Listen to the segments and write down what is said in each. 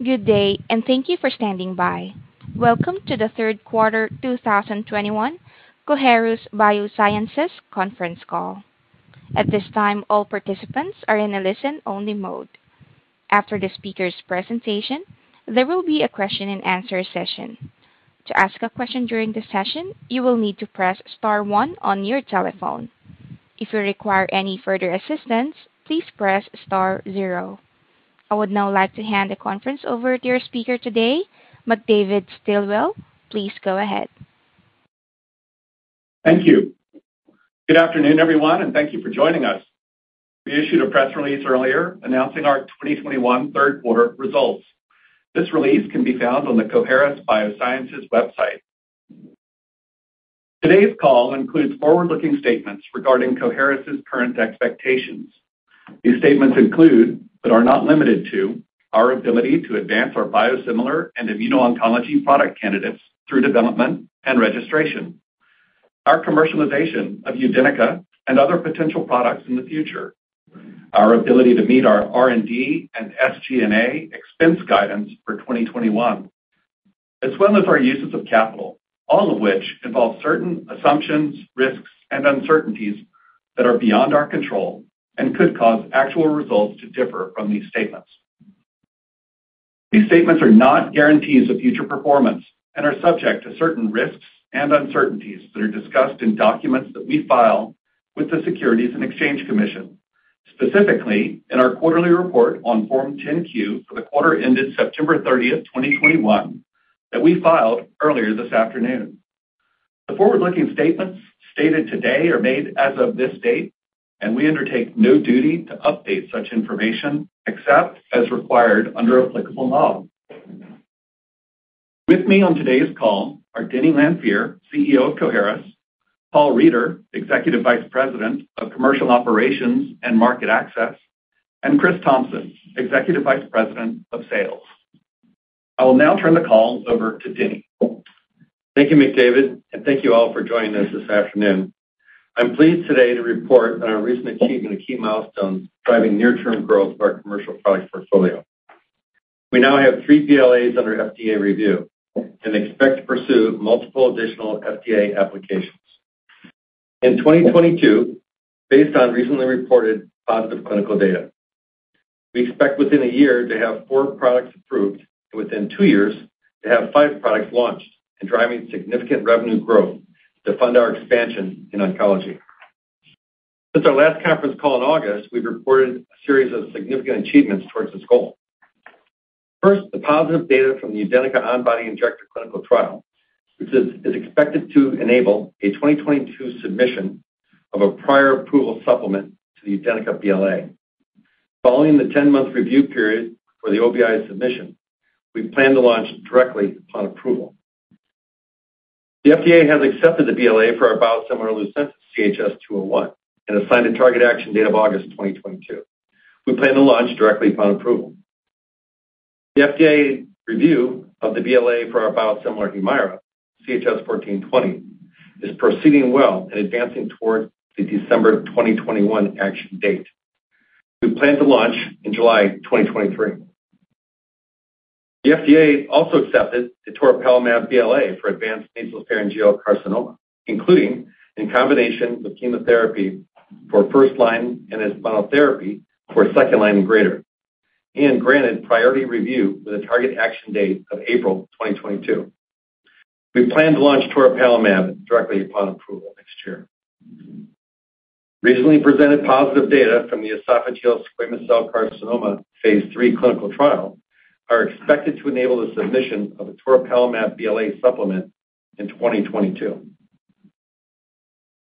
Good day, and thank you for standing by. Welcome to the Q3 2021 Coherus BioSciences conference call. At this time, all participants are in a listen-only mode. After the speaker's presentation, there will be a question-and-answer session. I would now like to hand the conference over to your speaker today, McDavid Stilwell. Please go ahead. Thank you. Good afternoon, everyone, and thank you for joining us. We issued a press release earlier announcing our 2021 Q3 results. This release can be found on the Coherus BioSciences website. Today's call includes forward-looking statements regarding Coherus's current expectations. These statements include, but are not limited to, our ability to advance our biosimilar and immuno-oncology product candidates through development and registration, our commercialization of UDENYCA and other potential products in the future, our ability to meet our R&D and SG&A expense guidance for 2021, as well as our uses of capital, all of which involve certain assumptions, risks, and uncertainties that are beyond our control and could cause actual results to differ from these statements. These statements are not guarantees of future performance and are subject to certain risks and uncertainties that are discussed in documents that we file with the Securities and Exchange Commission, specifically in our quarterly report on Form 10-Q for the quarter ended September 30, 2021 that we filed earlier this afternoon. The forward-looking statements stated today are made as of this date, and we undertake no duty to update such information except as required under applicable law. With me on today's call are Denny Lanfear, CEO of Coherus, Paul Reider, Executive Vice President of Commercial Operations and Market Access, and Chris Thompson, Executive Vice President of Sales. I will now turn the call over to Denny. Thank you, McDavid, and thank you all for joining us this afternoon. I'm pleased today to report on our recent achievement of key milestones driving near-term growth of our commercial product portfolio. We now have 3 BLAs under FDA review and expect to pursue multiple additional FDA applications. In 2022, based on recently reported positive clinical data, we expect within a year to have 4 products approved, and within 2 years to have 5 products launched and driving significant revenue growth to fund our expansion in oncology. Since our last conference call in August, we've reported a series of significant achievements towards this goal. First, the positive data from the UDENYCA on-body injector clinical trial, which is expected to enable a 2022 submission of a prior approval supplement to the UDENYCA BLA. Following the 10-month review period for the OBI submission, we plan to launch directly upon approval. The FDA has accepted the BLA for our biosimilar Lucentis, CHS-201, and assigned a target action date of August 2022. We plan to launch directly upon approval. The FDA review of the BLA for our biosimilar Humira, CHS-1420, is proceeding well and advancing towards the December 2021 action date. We plan to launch in July 2023. The FDA also accepted the toripalimab BLA for advanced nasopharyngeal carcinoma, including in combination with chemotherapy for first-line and as monotherapy for second-line and greater, and granted priority review with a target action date of April 2022. We plan to launch toripalimab directly upon approval next year. Recently presented positive data from the esophageal squamous cell carcinoma phase III clinical trial are expected to enable the submission of a toripalimab BLA supplement in 2022.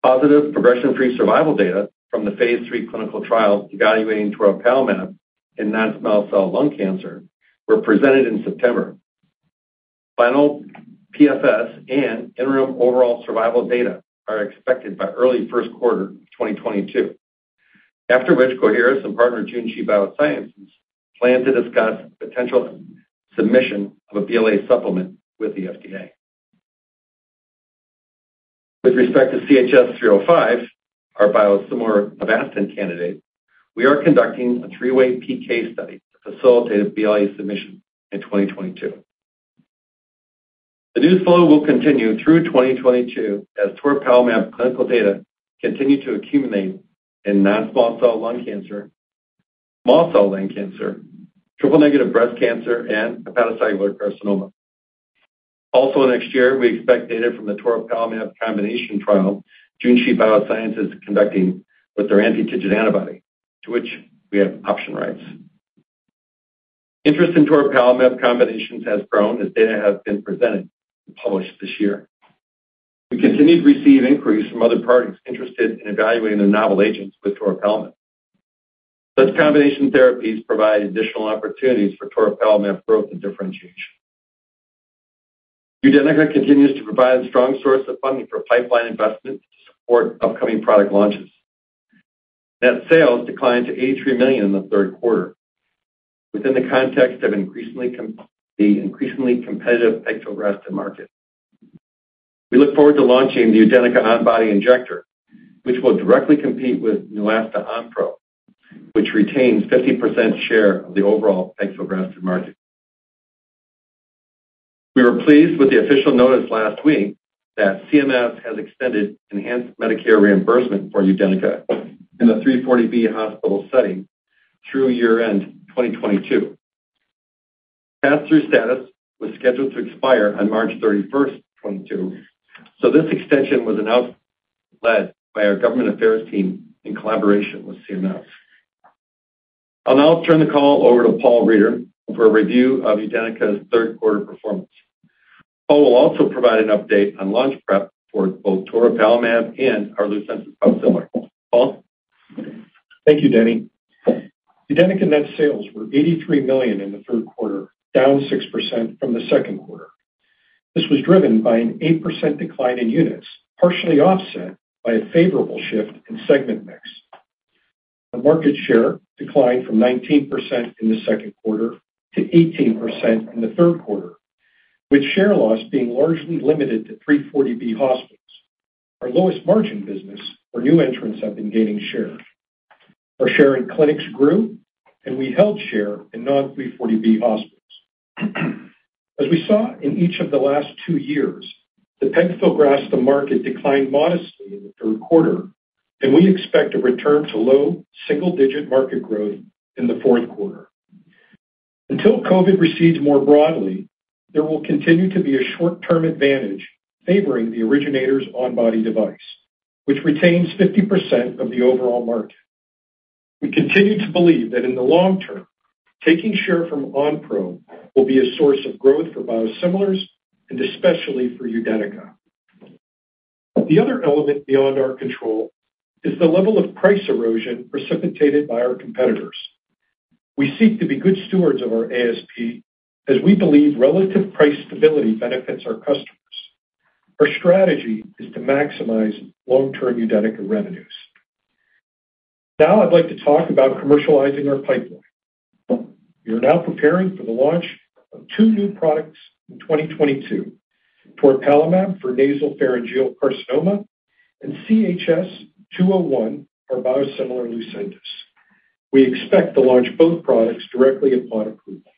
Positive progression-free survival data from the phase III clinical trial evaluating toripalimab in non-small cell lung cancer were presented in September. Final PFS and interim overall survival data are expected by early Q1 2022. After which Coherus and partner Junshi Biosciences plan to discuss potential submission of a BLA supplement with the FDA. With respect to CHS-305, our biosimilar Avastin candidate, we are conducting a 3-way PK study to facilitate a BLA submission in 2022. The news flow will continue through 2022 as toripalimab clinical data continue to accumulate in non-small cell lung cancer, small cell lung cancer, triple-negative breast cancer, and hepatocellular carcinoma. Next year, we expect data from the toripalimab combination trial Junshi Biosciences is conducting with their anti-TIGIT antibody, to which we have option rights. Interest in toripalimab combinations has grown as data has been presented and published this year. We continue to receive inquiries from other parties interested in evaluating their novel agents with toripalimab. Such combination therapies provide additional opportunities for toripalimab growth and differentiation. UDENYCA continues to provide a strong source of funding for pipeline investments to support upcoming product launches. Net sales declined to $83 million in the Q3 within the context of the increasingly competitive pegfilgrastim market. We look forward to launching the UDENYCA on-body injector, which will directly compete with Neulasta Onpro, which retains 50% share of the overall pegfilgrastim market. We were pleased with the official notice last week that CMS has extended enhanced Medicare reimbursement for UDENYCA in the 340B hospital setting through year-end 2022. Pass-through status was scheduled to expire on March 31, 2022. This extension was announced led by our government affairs team in collaboration with CMS. I'll now turn the call over to Paul Reider for a review of UDENYCA's Q3 performance. Paul will also provide an update on launch prep for both toripalimab and our Lucentis biosimilar. Paul? Thank you, Denny. UDENYCA net sales were $83 million in the Q3, down 6% from the Q2. This was driven by an 8% decline in units, partially offset by a favorable shift in segment mix. Our market share declined from 19% in the Q2 to 18% in the Q3, with share loss being largely limited to 340B hospitals. Our lowest margin business or new entrants have been gaining share. Our share in clinics grew, and we held share in non-340B hospitals. As we saw in each of the last 2 years, the pegfilgrastim market declined modestly in the Q3, and we expect a return to low single-digit market growth in the Q4. Until COVID recedes more broadly, there will continue to be a short-term advantage favoring the originator's on-body device, which retains 50% of the overall market. We continue to believe that in the long term, taking share from Onpro will be a source of growth for biosimilars and especially for UDENYCA. The other element beyond our control is the level of price erosion precipitated by our competitors. We seek to be good stewards of our ASP as we believe relative price stability benefits our customers. Our strategy is to maximize long-term UDENYCA revenues. I'd like to talk about commercializing our pipeline. We are now preparing for the launch of two new products in 2022, toripalimab for nasopharyngeal carcinoma and CHS-201, our biosimilar Lucentis. We expect to launch both products directly upon approval.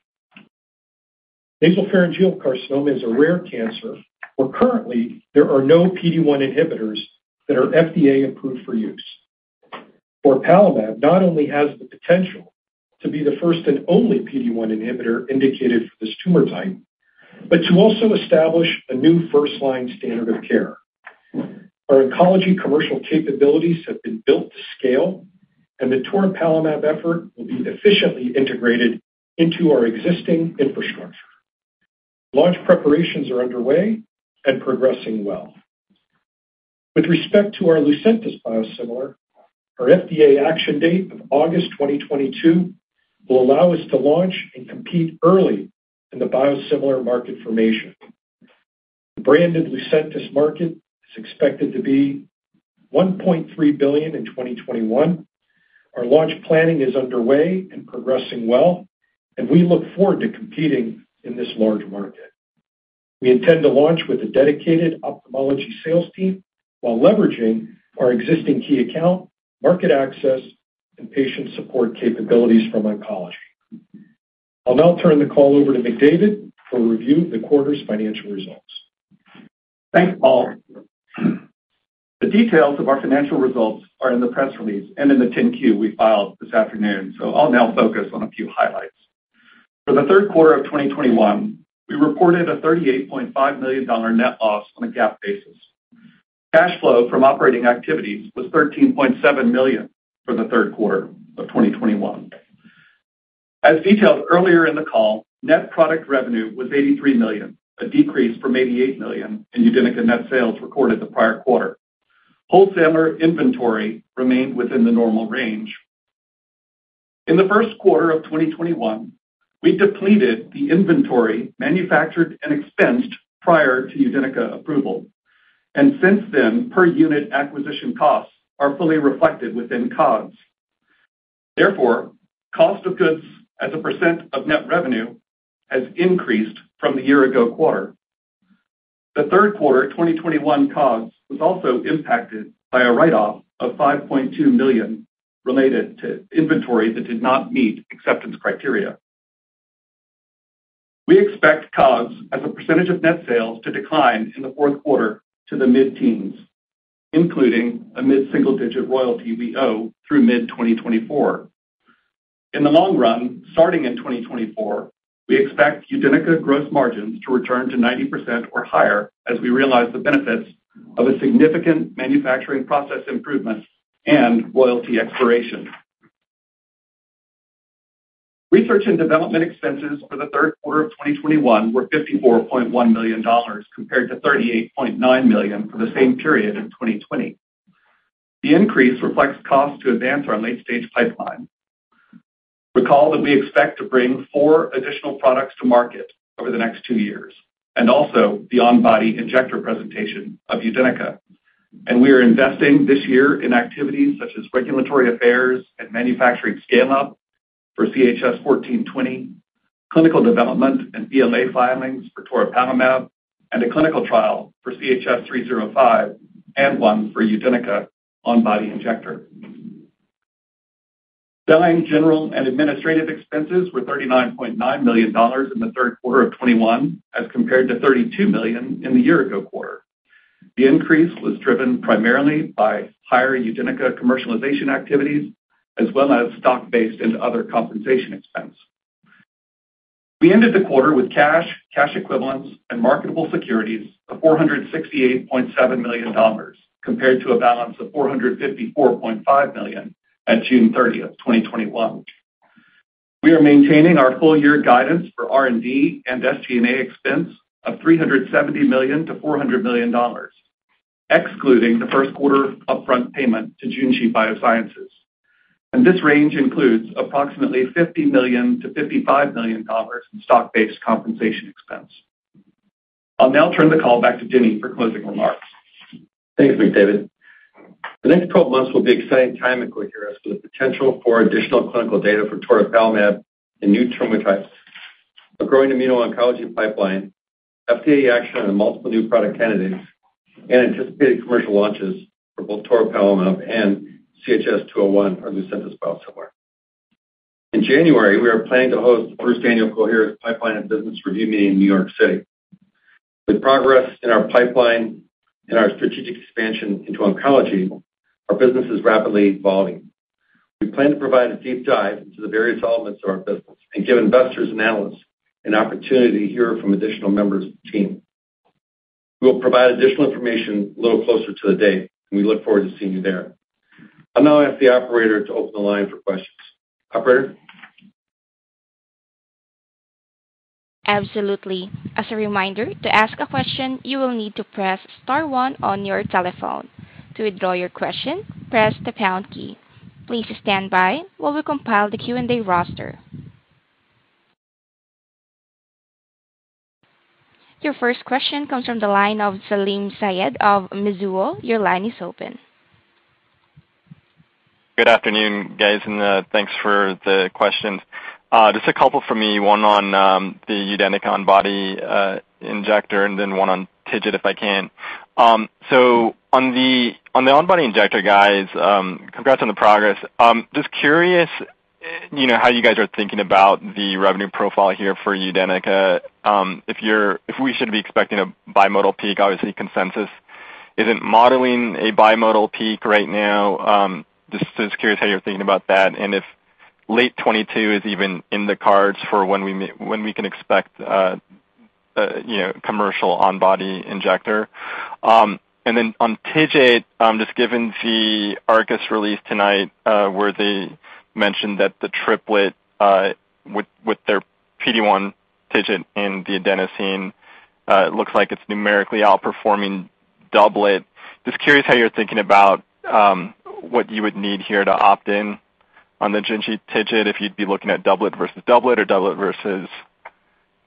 Nasopharyngeal carcinoma is a rare cancer where currently there are no PD-1 inhibitors that are FDA-approved for use. Toripalimab not only has the potential to be the first and only PD-1 inhibitor indicated for this tumor type, to also establish a new first-line standard of care. Our oncology commercial capabilities have been built to scale, the toripalimab effort will be efficiently integrated into our existing infrastructure. Launch preparations are underway and progressing well. With respect to our Lucentis biosimilar, our FDA action date of August 2022 will allow us to launch and compete early in the biosimilar market formation. The branded Lucentis market is expected to be $1.3 billion in 2021. Our launch planning is underway and progressing well, we look forward to competing in this large market. We intend to launch with a dedicated ophthalmology sales team while leveraging our existing key account, market access, and patient support capabilities from oncology. I'll now turn the call over to McDavid for a review of the quarter's financial results. Thanks, Paul. The details of our financial results are in the press release and in the Form 10-Q we filed this afternoon, so I'll now focus on a few highlights. For the Q3 of 2021, we reported a $38.5 million net loss on a GAAP basis. Cash flow from operating activities was $13.7 million for the Q3 of 2021. As detailed earlier in the call, net product revenue was $83 million, a decrease from $88 million in UDENYCA net sales recorded the prior quarter. Wholesaler inventory remained within the normal range. In the Q1 of 2021, we depleted the inventory manufactured and expensed prior to UDENYCA approval. Since then, per unit acquisition costs are fully reflected within COGS. Therefore, cost of goods as a percent of net revenue has increased from the year ago quarter. The Q3 2021 COGS was also impacted by a write-off of $5.2 million related to inventory that did not meet acceptance criteria. We expect COGS as a percentage of net sales to decline in the Q4 to the mid-teens, including a mid-single-digit royalty we owe through mid-2024. In the long run, starting in 2024, we expect UDENYCA gross margins to return to 90% or higher as we realize the benefits of a significant manufacturing process improvement and royalty expiration. Research and development expenses for the Q3 of 2021 were $54.1 million, compared to $38.9 million for the same period in 2020. The increase reflects costs to advance our late-stage pipeline. Recall that we expect to bring 4 additional products to market over the next two years and also the on-body injector presentation of UDENYCA. We are investing this year in activities such as regulatory affairs and manufacturing scale-up for CHS-1420, clinical development and BLA filings for toripalimab, and a clinical trial for CHS-305 and one for UDENYCA on-body injector. Selling, general and administrative expenses were $39.9 million in the Q3 of 2021 as compared to $32 million in the year ago quarter. The increase was driven primarily by higher UDENYCA commercialization activities as well as stock-based and other compensation expense. We ended the quarter with cash equivalents and marketable securities of $468.7 million compared to a balance of $454.5 million at June 30th, 2021. We are maintaining our full year guidance for R&D and SG&A expense of $370 million-$400 million, excluding the Q1 upfront payment to Junshi Biosciences. This range includes approximately $50 million-$55 million in stock-based compensation expense. I'll now turn the call back to Denny Lanfear for closing remarks. Thanks, McDavid. The next 12 months will be exciting time at Coherus with the potential for additional clinical data for toripalimab in new tumor types, a growing immuno-oncology pipeline, FDA action on multiple new product candidates, anticipated commercial launches for both toripalimab and CHS-201, our Lucentis biosimilar. In January, we are planning to host the 1st annual Coherus pipeline and business review meeting in New York City. With progress in our pipeline and our strategic expansion into oncology, our business is rapidly evolving. We plan to provide a deep dive into the various elements of our business and give investors and analysts an opportunity to hear from additional members of the team. We will provide additional information a little closer to the date, and we look forward to seeing you there. I'll now ask the operator to open the line for questions. Operator? Absolutely. As a reminder, to ask a question, you will need to press star one on your telephone. To withdraw your question, press the pound key. Please stand by while we compile the Q&A roster. Your first question comes from the line of Salim Sayed of Mizuho. Your line is open. Good afternoon, guys, and thanks for the questions. Just a couple from me, one on the UDENYCA on-body injector and then one on TIGIT, if I can. On the on-body injector, guys, congrats on the progress. Just curious how you guys are thinking about the revenue profile here for UDENYCA, if we should be expecting a bimodal peak, obviously consensus. Is it modeling a bimodal peak right now? Just curious how you're thinking about that, and if late 2022 is even in the cards for when we can expect commercial on-body injector. Then on TIGIT, just given the Arcus release tonight, where they mentioned that the triplet, with their PD-1 TIGIT and the adenosine, looks like it's numerically outperforming doublet. Just curious how you're thinking about, what you would need here to opt in on the Junshi TIGIT, if you'd be looking at doublet versus doublet or doublet versus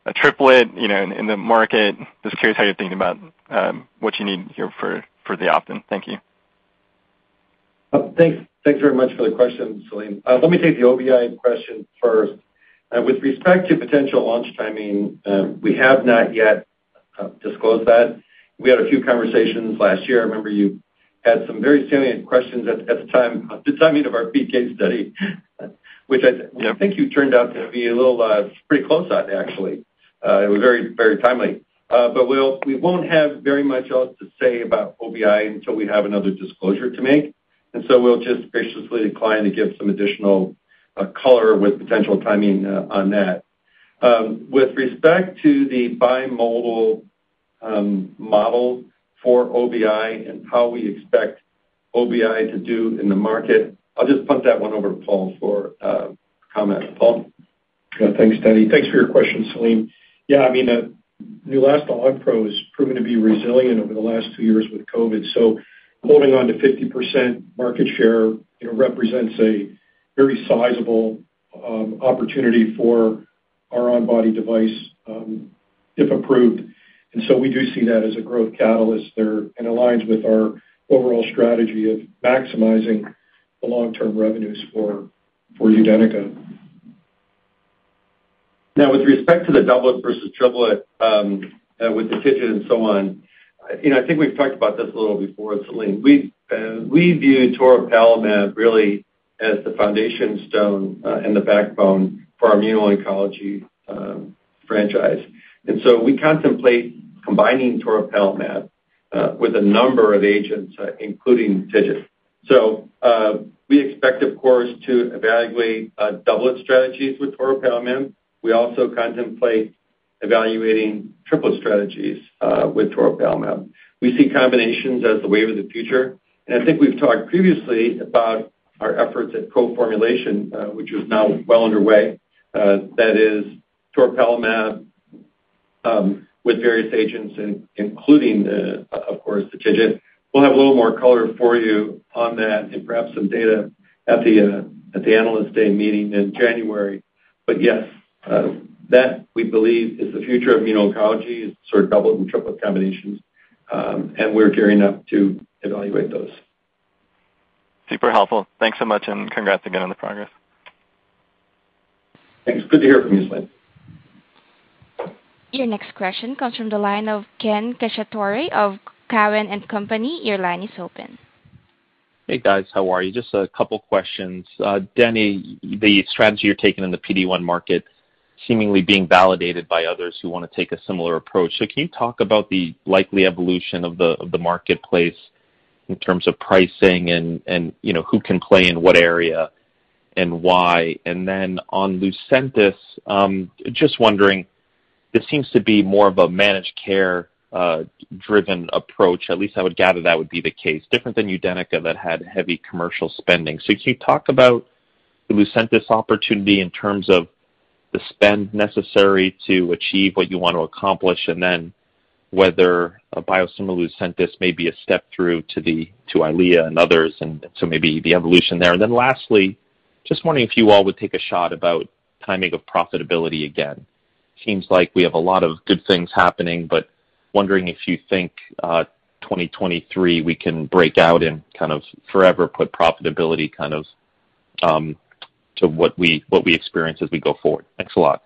a triplet in the market. Just curious how you're thinking about, what you need here for the opt-in. Thank you. Thanks very much for the question, Salim. Let me take the OBI question first. With respect to potential launch timing, we have not yet disclosed that. We had a few conversations last year. I remember you had some very salient questions at the time, at the timing of our PK study, which I think you turned out to be a little pretty close on, actually. It was very, very timely. We won't have very much else to say about OBI until we have another disclosure to make. We'll just graciously decline to give some additional color with potential timing on that. With respect to the bimodal model for OBI and how we expect OBI to do in the market, I'll just punt that one over to Paul for comment. Paul? Thanks, Danny. Thanks for your question, Salim. I mean, Neulasta Onpro is proven to be resilient over the last two years with COVID. Holding on to 50% market share represents a very sizable opportunity for our on-body device, if approved. We do see that as a growth catalyst there and aligns with our overall strategy of maximizing the long-term revenues for UDENYCA. Now with respect to the doublet versus triplet, with the TIGIT and so on I think we've talked about this a little before, Salim. We view toripalimab really as the foundation stone and the backbone for our immuno-oncology franchise. We contemplate combining toripalimab with a number of agents, including TIGIT. We expect, of course, to evaluate doublet strategies with toripalimab. We also contemplate evaluating triplet strategies with toripalimab. We see combinations as the wave of the future, and I think we've talked previously about our efforts at co-formulation, which is now well underway. That is toripalimab with various agents including, of course, the TIGIT. We'll have a little more color for you on that and perhaps some data at the Analyst Day meeting in January. Yes, that we believe is the future of immuno-oncology is sort of doubled and tripled combinations, and we're gearing up to evaluate those. Super helpful. Thanks so much, and congrats again on the progress. Thanks. Good to hear from you, Salim Syed. Your next question comes from the line of Ken Cacciatore of Cowen and Company. Your line is open. Hey, guys. How are you? Just a couple questions. Denny, the strategy you're taking in the PD-1 market seemingly being validated by others who wanna take a similar approach. Can you talk about the likely evolution of the marketplace in terms of pricing and who can play in what area and why? On Lucentis, just wondering, this seems to be more of a managed care driven approach. At least I would gather that would be the case, different than UDENYCA that had heavy commercial spending. Can you talk about the Lucentis opportunity in terms of the spend necessary to achieve what you want to accomplish, and then whether a biosimilar Lucentis may be a step through to the, to Eylea and others maybe the evolution there. Lastly, just wondering if you all would take a shot about timing of profitability again. Seems like we have a lot of good things happening, but wondering if you think 2023 we can break out and kind of forever put profitability kind of to what we, what we experience as we go forward. Thanks a lot.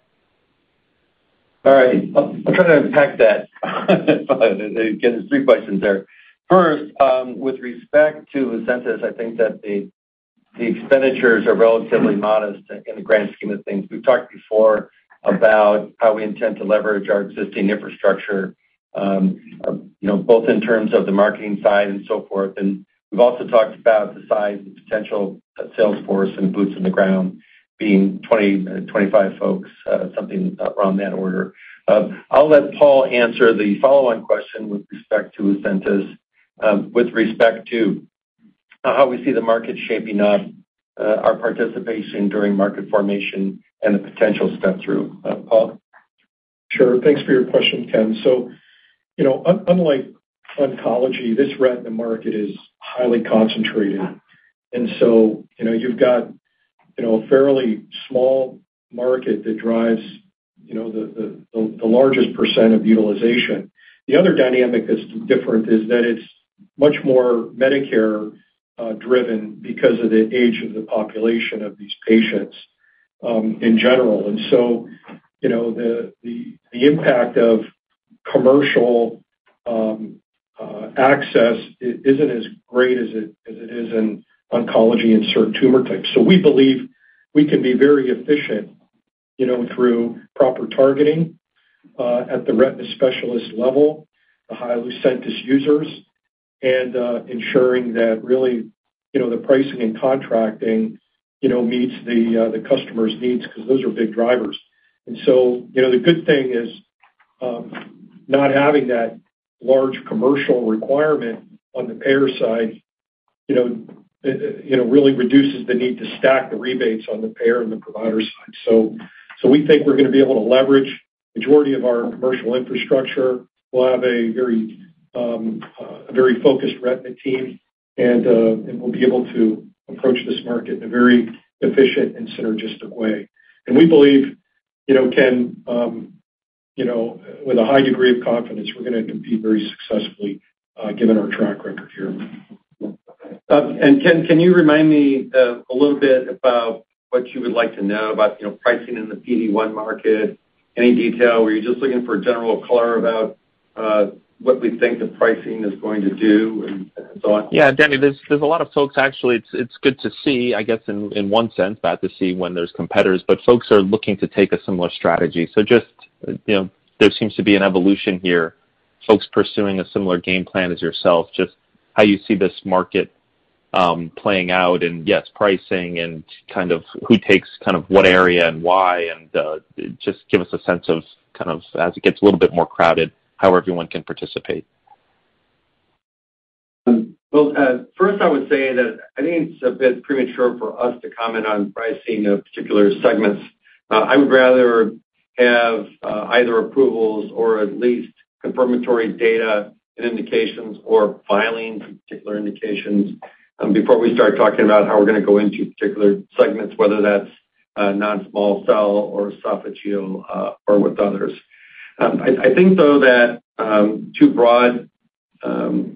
All right. I'll try to unpack that. Again, there's 3 questions there. First, with respect to Lucentis, I think that the expenditures are relatively modest in the grand scheme of things. We've talked before about how we intend to leverage our existing infrastructure both in terms of the marketing side and so forth. We've also talked about the size and potential of sales force and boots on the ground being 25 folks, something around that order. I'll let Paul answer the follow-on question with respect to Lucentis, with respect to how we see the market shaping up, our participation during market formation and the potential step through. Paul? Sure. Thanks for your question, Ken. You know, unlike oncology, this retina market is highly concentrated. You know, you've got a fairly small market that drives the, the largest % of utilization. The other dynamic that's different is that it's much more Medicare driven because of the age of the population of these patients in general. You know, the, the impact of commercial access isn't as great as it, as it is in oncology and certain tumor types. We believe we can be very efficient through proper targeting at the retina specialist level, the high Lucentis users, and ensuring that really the pricing and contracting meets the customer's needs 'cause those are big drivers. you know, the good thing is, not having that large commercial requirement on the payer side really reduces the need to stack the rebates on the payer and the provider side. we think we're gonna be able to leverage majority of our commercial infrastructure. We'll have a very, a very focused retina team, and we'll be able to approach this market in a very efficient and synergistic way. We believe Ken, with a high degree of confidence, we're gonna compete very successfully, given our track record here. Ken, can you remind me a little bit about what you would like to know about pricing in the PD-1 market? Any detail? Were you just looking for a general color about what we think the pricing is going to do and so on? Yeah. Denny, there's a lot of folks actually, it's good to see, I guess, in one sense, bad to see when there's competitors, but folks are looking to take a similar strategy. just there seems to be an evolution here, folks pursuing a similar game plan as yourself, just how you see this market, playing out and, yes, pricing and kind of who takes kind of what area and why. Just give us a sense of kind of as it gets a little bit more crowded, how everyone can participate. Well, first I would say that I think it's a bit premature for us to comment on pricing of particular segments. I would rather have either approvals or at least confirmatory data and indications or filings for particular indications, before we start talking about how we're gonna go into particular segments, whether that's non-small cell or esophageal or with others. I think though that too broad sort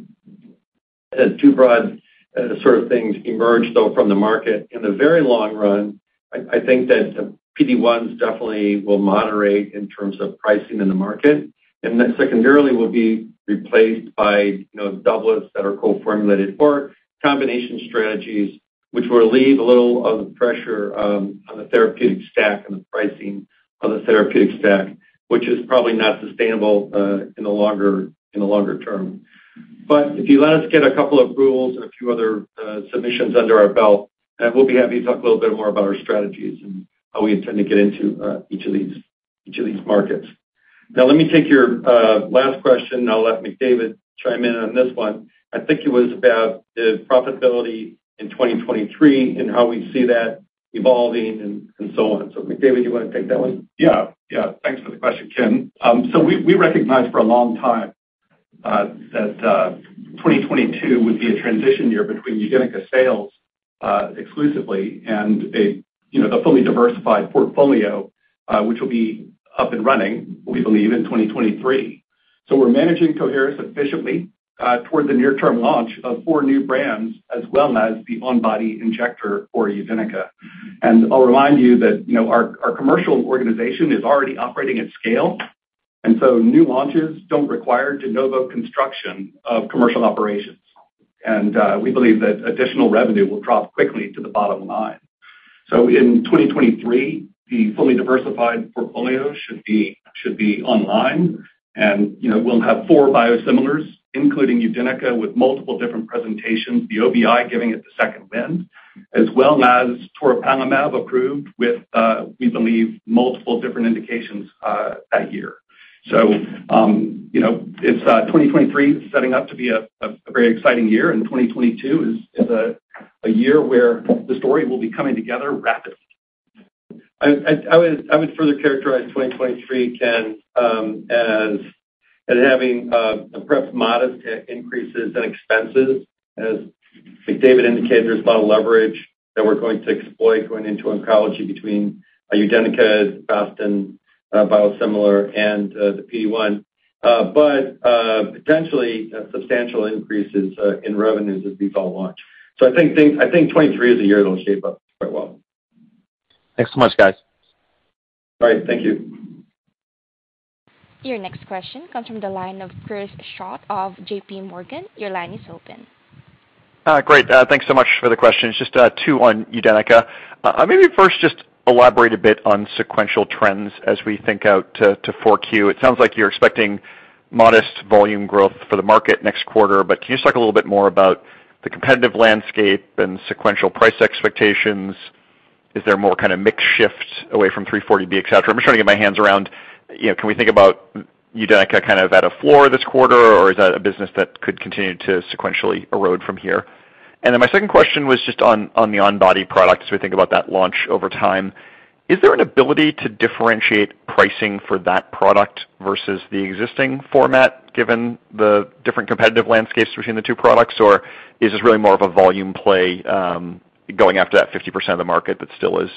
of things emerge though from the market. In the very long run, I think that PD-1s definitely will moderate in terms of pricing in the market. Secondarily, will be replaced by doublets that are co-formulated or combination strategies, which will leave a little of the pressure on the therapeutic stack and the pricing of the therapeutic stack, which is probably not sustainable in the longer term. If you let us get a couple approvals and a few other submissions under our belt, we'll be happy to talk a little bit more about our strategies and how we intend to get into each of these markets. Let me take your last question, and I'll let McDavid chime in on this one. I think it was about the profitability in 2023 and how we see that evolving and so on. McDavid, you wanna take that one? Yeah. Yeah. Thanks for the question, Ken. We recognized for a long time That 2022 would be a transition year between UDENYCA sales exclusively and a the fully diversified portfolio, which will be up and running, we believe, in 2023. We're managing Coherus efficiently towards the near-term launch of 4 new brands as well as the on-body injector for UDENYCA. I'll remind you that our commercial organization is already operating at scale, and so new launches don't require de novo construction of commercial operations. We believe that additional revenue will drop quickly to the bottom line. In 2023, the fully diversified portfolio should be online. You know, we'll have 4 biosimilars, including UDENYCA, with multiple different presentations, the OBI giving it the second wind, as well as toripalimab approved with, we believe, multiple different indications that year. you know, it's 2023 is setting up to be a very exciting year, and 2022 is a year where the story will be coming together rapidly. I would further characterize 2023, Ken Cacciatore, as having perhaps modest increases in expenses. As I think David indicated, there's a lot of leverage that we're going to exploit going into oncology between UDENYCA, Avastin biosimilar, and the PD-1. But potentially substantial increases in revenues as these all launch. I think 2023 is a year that'll shape up quite well. Thanks so much, guys. All right. Thank you. Your next question comes from the line of Chris Schott of J.P. Morgan. Your line is open. Great. Thanks so much for the questions. Just two on UDENYCA. Maybe first just elaborate a bit on sequential trends as we think out to 4Q. It sounds like you're expecting modest volume growth for the market next quarter, but can you just talk a little bit more about the competitive landscape and sequential price expectations? Is there more kind of mix shift away from 340B, et cetera? I'm just trying to get my hands around can we think about UDENYCA kind of at a floor this quarter, or is that a business that could continue to sequentially erode from here? Then my second question was just on the on-body product as we think about that launch over time. Is there an ability to differentiate pricing for that product versus the existing format, given the different competitive landscapes between the two products, or is this really more of a volume play, going after that 50% of the market that still is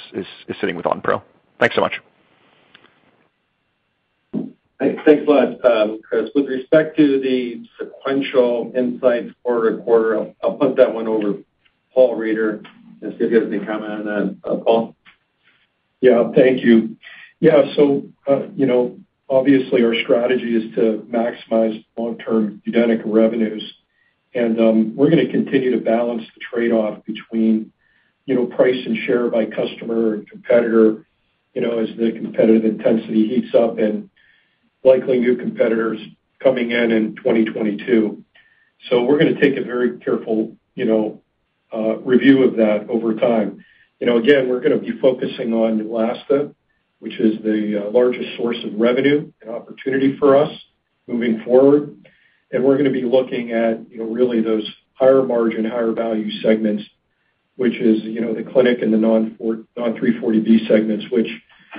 sitting with Onpro? Thanks so much. Thanks. Thanks a lot, Chris. With respect to the sequential insight quarter-to-quarter, I'll punt that one over to Paul Reider and see if he has any comment on that. Paul? Thank you. You know, obviously our strategy is to maximize long-term UDENYCA revenues. We're gonna continue to balance the trade-off between price and share by customer and competitor as the competitive intensity heats up and likely new competitors coming in in 2022. We're gonna take a very careful review of that over time. You know, again, we're gonna be focusing on Neulasta, which is the largest source of revenue and opportunity for us moving forward. We're gonna be looking at really those higher margin, higher value segments, which is the clinic and the non-340B segments, which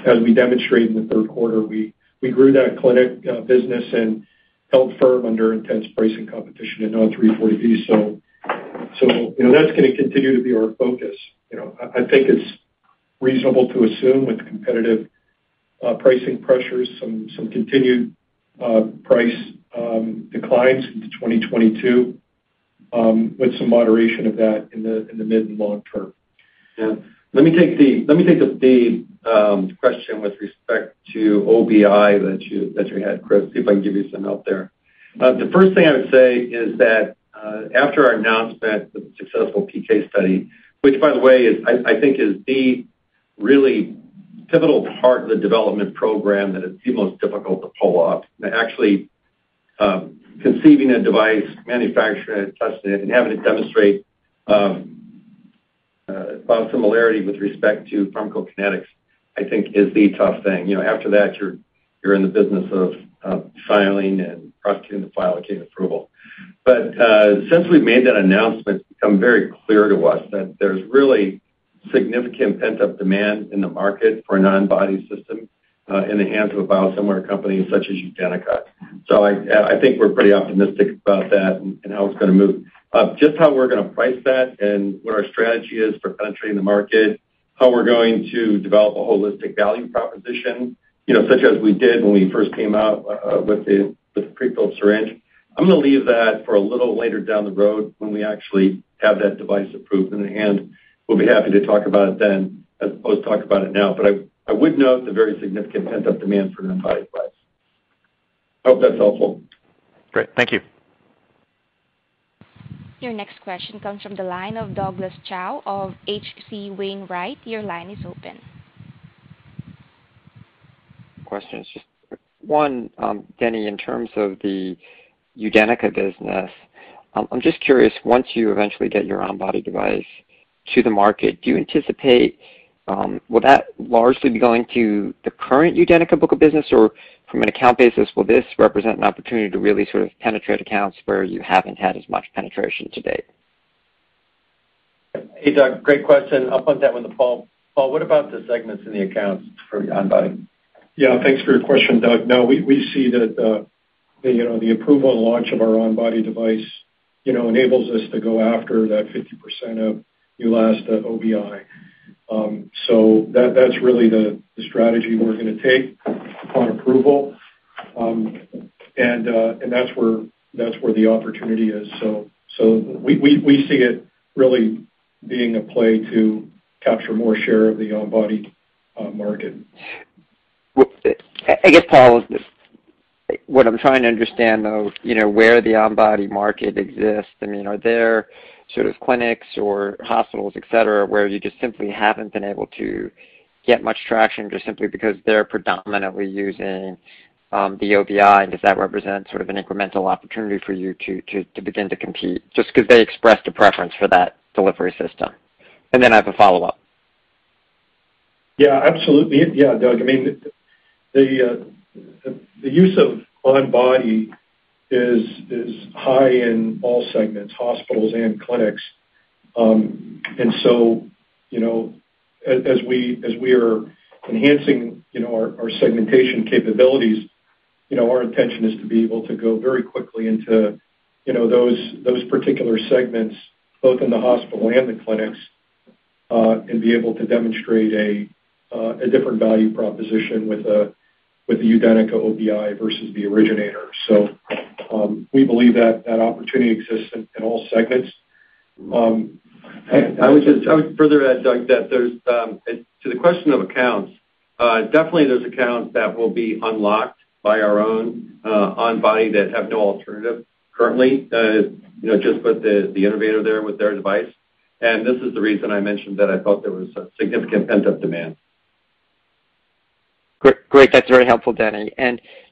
as we demonstrated in the Q3, we grew that clinic business and held firm under intense pricing competition in non-340B. You know, that's gonna continue to be our focus. You know, I think it's reasonable to assume with competitive pricing pressures, some continued price declines into 2022, with some moderation of that in the mid and long term. Yeah. Let me take the question with respect to OBI that you had, Chris, see if I can give you some help there. The first thing I would say is that after our announcement of the successful PK study, which by the way is, I think is the really pivotal part of the development program that is the most difficult to pull off. Actually, conceiving a device, manufacturing it, testing it, and having it demonstrate biosimilarity with respect to pharmacokinetics, I think is the tough thing. You know, after that, you're in the business of filing and prosecuting the file to gain approval. Since we made that announcement, it's become very clear to us that there's really significant pent-up demand in the market for an on-body system in the hands of a biosimilar company such as UDENYCA. I think we're pretty optimistic about that and how it's gonna move. Just how we're gonna price that and what our strategy is for penetrating the market, how we're going to develop a holistic value proposition such as we did when we first came out with the prefilled syringe, I'm gonna leave that for a little later down the road when we actually have that device approved in hand. We'll be happy to talk about it then as opposed to talk about it now. I would note the very significant pent-up demand for an on-body device. I hope that's helpful. Great. Thank you. Your next question comes from the line of Douglas Tsao of H.C. Wainwright & Co. Your line is open. Questions. Just one, Denny, in terms of the UDENYCA business, I'm just curious, once you eventually get your on-body injector to the market, do you anticipate, will that largely be going to the current UDENYCA book of business, or from an account basis, will this represent an opportunity to really sort of penetrate accounts where you haven't had as much penetration to date? Hey, Doug, great question. I'll put that one to Paul. Paul, what about the segments in the accounts for on-body? Yeah, thanks for your question, Doug. No, we see that the approval and launch of our on-body device enables us to go after that 50% of Neulasta Onpro. So that's really the strategy we're gonna take upon approval. And that's where the opportunity is. So we see it really being a play to capture more share of the on-body market. Well, I guess, Paul, what I'm trying to understand though where the on-body market exists, I mean, are there sort of clinics or hospitals, et cetera, where you just simply haven't been able to get much traction just simply because they're predominantly using the OBI? Does that represent sort of an incremental opportunity for you to begin to compete, just 'cause they expressed a preference for that delivery system? I have a follow-up. Absolutely. Doug, I mean, the use of on-body is high in all segments, hospitals and clinics. You know, as we are enhancing our segmentation capabilities our intention is to be able to go very quickly into those particular segments, both in the hospital and the clinics, and be able to demonstrate a different value proposition with the UDENYCA OBI versus the originator. We believe that that opportunity exists in all segments. I would further add, Doug, that there's to the question of accounts, definitely those accounts that will be unlocked by our own on-body that have no alternative currently just put the innovator there with their device. This is the reason I mentioned that I thought there was a significant pent-up demand. Great. Great. That's very helpful, Denny.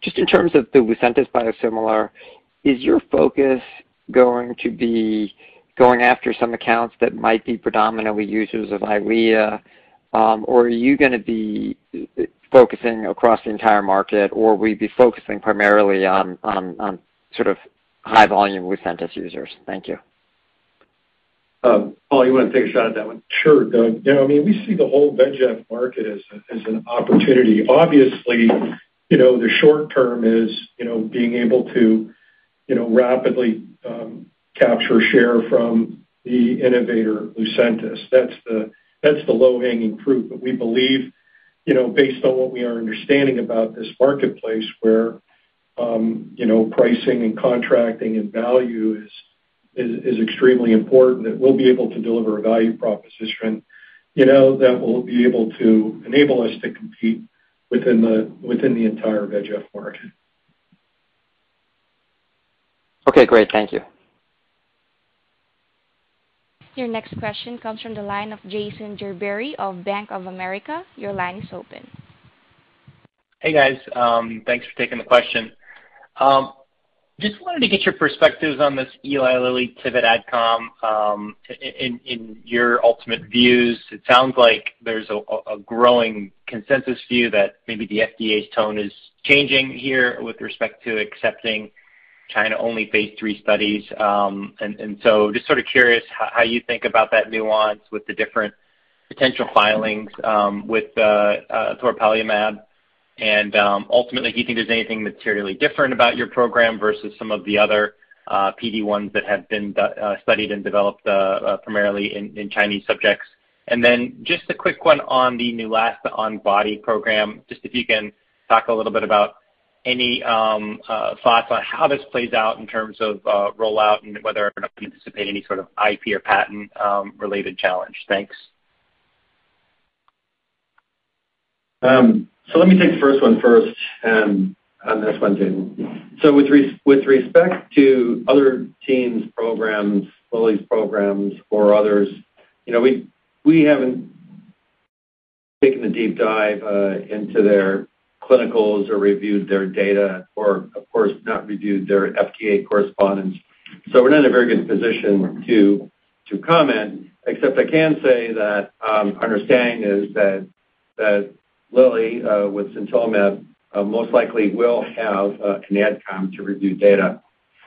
Just in terms of the Lucentis biosimilar, is your focus going to be going after some accounts that might be predominantly users of Eylea? Or are you gonna be focusing across the entire market, or will you be focusing primarily on sort of high volume Lucentis users? Thank you. Paul, you wanna take a shot at that one? Sure, Doug. You know, I mean, we see the whole VEGF market as an opportunity. obviously the short term is being able to rapidly capture share from the innovator Lucentis. That's the low-hanging fruit. We believe based on what we are understanding about this marketplace where pricing and contracting and value is extremely important, that we'll be able to deliver a value proposition that will be able to enable us to compete within the entire VEGF market. Okay, great. Thank you. Your next question comes from the line of Jason Gerberry of Bank of America. Your line is open. Hey, guys. Thanks for taking the question. Just wanted to get your perspectives on this Eli Lilly pivot AdCom, in your ultimate views. It sounds like there's a growing consensus view that maybe the FDA's tone is changing here with respect to accepting China-only phase III studies. Just sort of curious how you think about that nuance with the different potential filings with toripalimab. Ultimately, do you think there's anything materially different about your program versus some of the other PD-1s that have been studied and developed primarily in Chinese subjects? Just a quick one on the Neulasta on-body program, just if you can talk a little bit about any thoughts on how this plays out in terms of rollout and whether or not you anticipate any sort of IP or patent related challenge. Thanks. Let me take the first one first on this one, Jason. With respect to other teams, programs, Lilly's programs or others we haven't taken a deep dive into their clinicals or reviewed their data or, of course, not reviewed their FDA correspondence. We're not in a very good position to comment, except I can say that understanding is that Lilly, with sintilimab, most likely will have an AdCom to review data.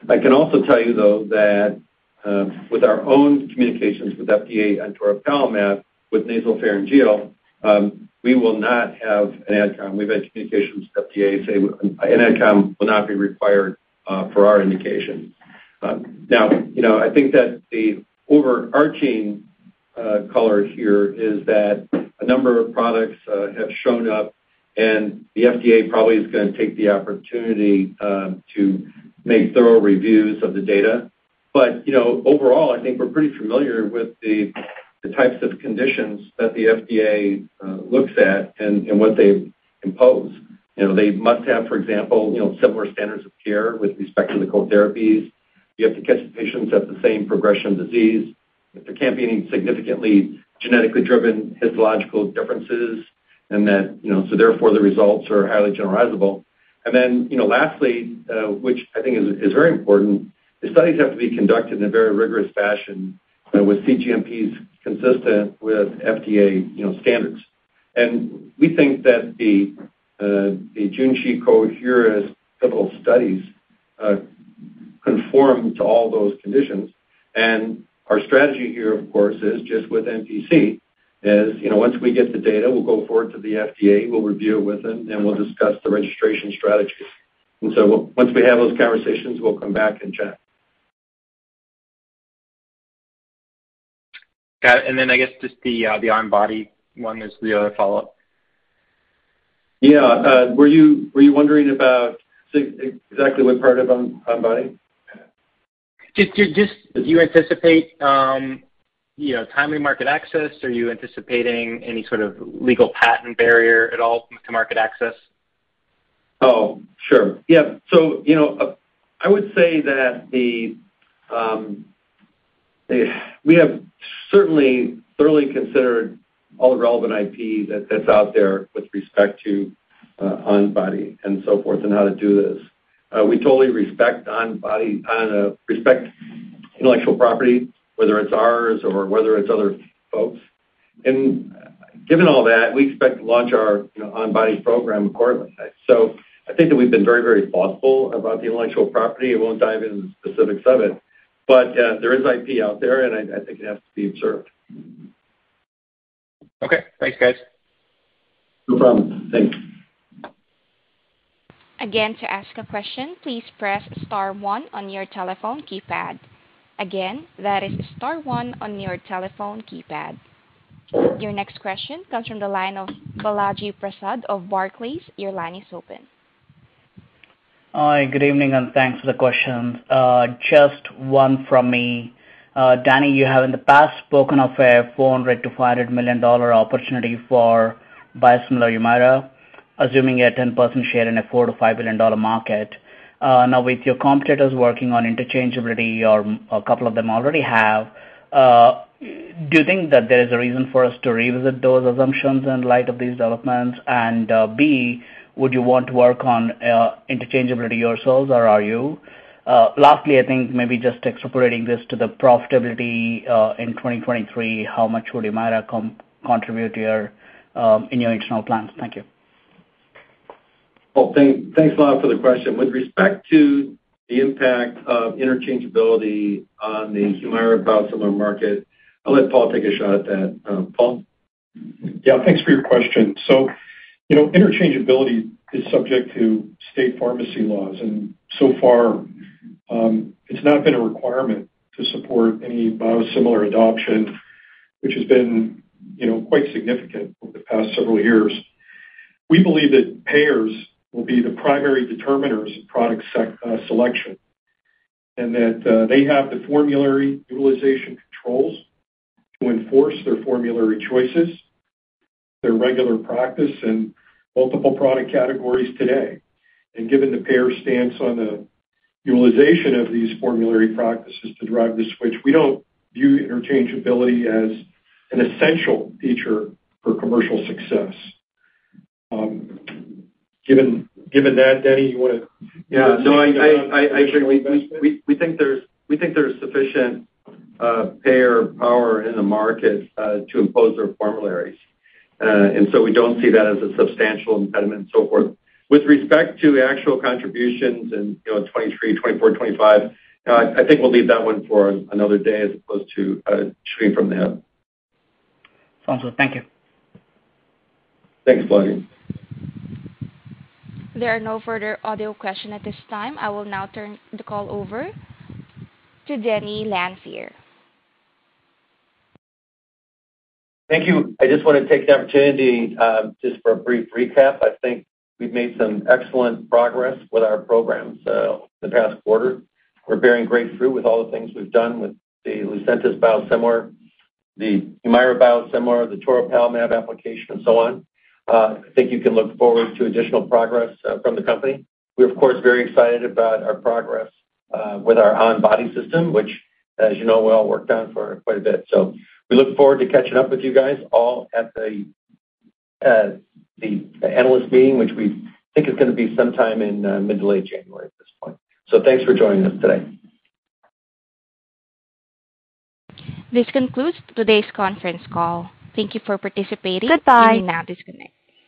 I can also tell you, though, that with our own communications with FDA on toripalimab with nasopharyngeal, we will not have an AdCom. We've had communications with FDA say an AdCom will not be required for our indication. now I think that the overarching color here is that a number of products have shown up, and the FDA probably is gonna take the opportunity to make thorough reviews of the data. overall I think we're pretty familiar with the types of conditions that the FDA looks at and what they impose. You know, they must have, for example similar standards of care with respect to the cold therapies. You have to catch the patients at the same progression of disease. There can't be any significantly genetically driven histological differences therefore, the results are highly generalizable. lastly which I think is very important, the studies have to be conducted in a very rigorous fashion with cGMPs consistent with fda standards. We think that the Junshi-Coherus pivotal studies conform to all those conditions. Our strategy here, of course, is just with NPC, is once we get the data, we'll go forward to the FDA, we'll review it with them, and we'll discuss the registration strategy. Once we have those conversations, we'll come back and chat. Got it. I guess just the on-body one is the follow-up. Yeah. Were you wondering about exactly what part of on-body? Just do you anticipate timely market access? Are you anticipating any sort of legal patent barrier at all to market access? Oh, sure. Yeah. We have certainly thoroughly considered all the relevant IP that's out there with respect to on-body and so forth and how to do this. We totally respect on-body, respect intellectual property, whether it's ours or whether it's other folks. Given all that, we expect to launch our on-body program accordingly. I think that we've been very, very thoughtful about the intellectual property. I won't dive into the specifics of it. There is IP out there, and I think it has to be observed. Okay. Thanks, guys. No problem. Thanks. Your next question comes from the line of Balaji Prasad of Barclays. Your line is open. Hi, good evening, and thanks for the questions. Just one from me. Denny Lanfear, you have in the past spoken of a $400 million-$500 million opportunity for biosimilar Humira, assuming a 10% share in a $4 billion-$5 billion market. Now with your competitors working on interchangeability or a couple of them already have, do you think that there is a reason for us to revisit those assumptions in light of these developments? B, would you want to work on interchangeability yourselves or are you? Lastly, I think maybe just extrapolating this to the profitability, in 2023, how much would Humira contribute to your in your internal plans? Thank you. Well, thanks a lot for the question. With respect to the impact of interchangeability on the Humira biosimilar market, I'll let Paul take a shot at that. Paul? Yeah, thanks for your question. You know, interchangeability is subject to state pharmacy laws, and so far, it's not been a requirement to support any biosimilar adoption, which has been quite significant over the past several years. We believe that payers will be the primary determiners of product selection, and that they have the formulary utilization controls to enforce their formulary choices, their regular practice in multiple product categories today. Given the payer stance on the utilization of these formulary practices to drive the switch, we don't view interchangeability as an essential feature for commercial success. Given that, Denny, you wanna- Yeah. No, I. talk about the commercial investment? We think there's sufficient payer power in the market to impose their formularies. We don't see that as a substantial impediment and so forth. With respect to the actual contributions in 2023, 2024, 2025, I think we'll leave that one for another day as opposed to shooting from the hip. Sounds good. Thank you. Thanks, Balaji. There are no further audio question at this time. I will now turn the call over to Denny Lanfear. Thank you. I just wanna take the opportunity, just for a brief recap. I think we've made some excellent progress with our programs, the past quarter. We're bearing great fruit with all the things we've done with the Lucentis biosimilar, the Humira biosimilar, the toripalimab application and so on. I think you can look forward to additional progress from the company. We're of course very excited about our progress with our on-body injector, which, as you know, we all worked on for quite a bit. We look forward to catching up with you guys all at the analyst meeting, which we think is gonna be sometime in mid to late January at this point. Thanks for joining us today. This concludes today's conference call. Thank you for participating. Goodbye. You may now disconnect.